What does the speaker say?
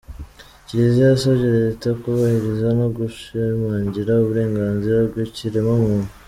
Kiliziya yasabye Leta kubahiriza no gushimangira uburenganzira bw’ikiremwamuntu